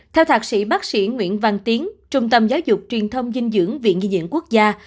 theo thạc sĩ bác sĩ nguyễn văn tiến trung tâm giáo dục truyền thông dinh dưỡng viện di dưỡng quốc gia